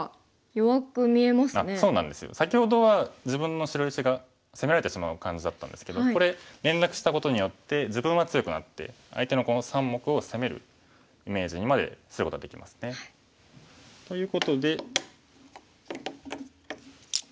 先ほどは自分の白石が攻められてしまう感じだったんですけどこれ連絡したことによって自分は強くなって相手のこの３目を攻めるイメージにまですることができますね。ということで。